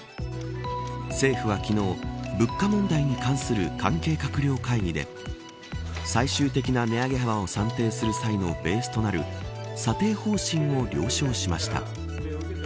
政府は昨日、物価問題に関する関係閣僚会議で最終的な値上げ幅を算定する際のベースとなる査定方針を了承しました。